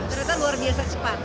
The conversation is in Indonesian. ternyata luar biasa cepat